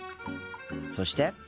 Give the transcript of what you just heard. そして。